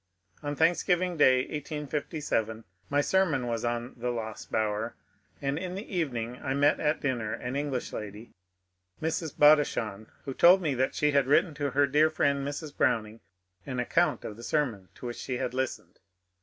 On Thanks giving Day, 1857, my sermon was on " The Lost Bower," and in the evening I met at dinner an English lady, Mrs. Bodi chon, who told me that she had written to her dear friend Mrs. Browning an account of the sermon to which she had listened.